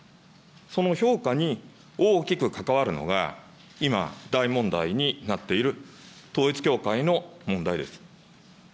その評価に大きく関わるのが、今、大問題になっている統一教会の問題です。